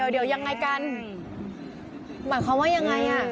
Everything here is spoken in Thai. เดี๋ยวยังไงกันหมายความว่ายังไงอ่ะ